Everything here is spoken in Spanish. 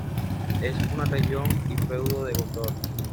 Es una región y feudo de Gondor.